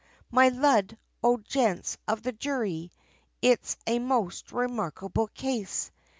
"Me Lud, and O gents of the Jury, it's a most remarkable case!